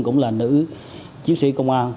cũng là nữ chiến sĩ công an